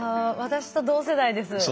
私と同世代です。